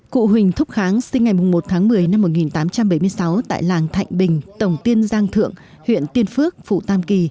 cụ huỳnh thúc kháng sinh ngày một tháng một mươi năm một nghìn tám trăm bảy mươi sáu tại làng thạnh bình tổng tiên giang thượng huyện tiên phước phụ tam kỳ